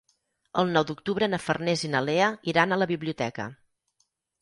El nou d'octubre na Farners i na Lea iran a la biblioteca.